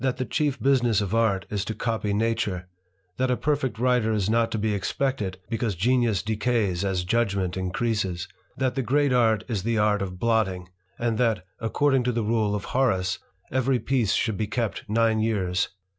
THE IDLER, 3H die chief business of art is to copy nature ; that a perfect ivnter is not to be expected, because genius decays as judg ment increases ; that the great art is the art of blotting ; and that, according to the rule of Horace, every piece should be kept nine years.